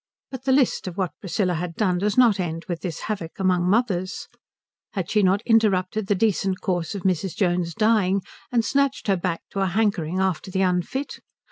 But the list of what Priscilla had done does not end with this havoc among mothers. Had she not interrupted the decent course of Mrs. Jones's dying, and snatched her back to a hankering after the unfit?